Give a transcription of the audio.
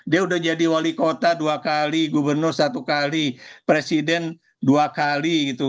dia udah jadi wali kota dua kali gubernur satu kali presiden dua kali gitu